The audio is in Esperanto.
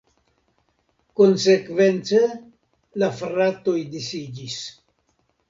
Konsekvence la fratoj disiĝis.